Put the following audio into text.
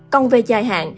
còn về dài hạn